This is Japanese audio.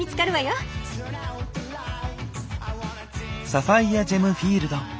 「サファイアジェムフィールド」。